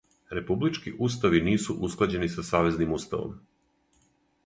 Републички устави нису усклађени са савезним уставом.